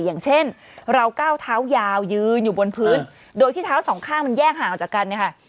อย่างเช่นเราก้าวเท้ายาวยืนอยู่บนพื้นโดยที่เท้าสองข้างมันแยกห่างออกจากกันเนี่ยค่ะ